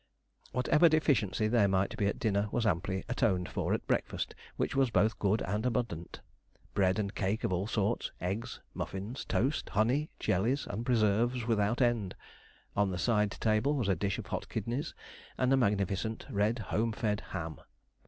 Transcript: Whatever deficiency there might be at dinner was amply atoned for at breakfast, which was both good and abundant; bread and cake of all sorts, eggs, muffins, toast, honey, jellies, and preserves without end. On the side table was a dish of hot kidneys and a magnificent red home fed ham.